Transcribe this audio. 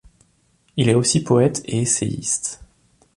Il est aussi poète et essayiste.